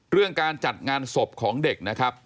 การจัดงานศพของเด็กนะครับ